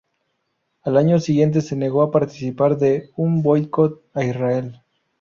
Al año siguiente se negó a participar de un boicot a Israel.